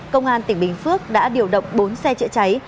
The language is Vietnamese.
công an tỉnh bình phước đã điều động bốn xe chữa cháy